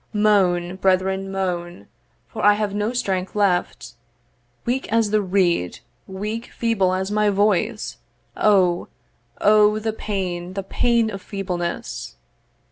'Moan, brethren, moan, for I have no strength left, 'Weak as the reed weak feeble as my voice 'O, O, the pain, the pain of feebleness.